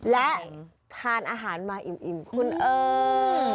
และทานอาหารมาอิ่มคุณเอิญ